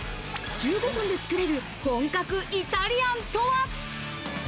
１５分でつくれる本格イタリアンとは？